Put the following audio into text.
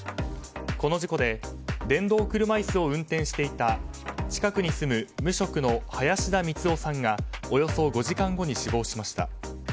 この事故で電動車椅子を運転していた近くに住む無職の林田満男さんがおよそ５時間後に死亡しました。